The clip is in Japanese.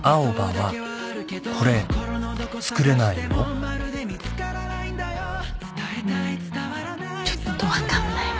うんちょっと分かんないわ。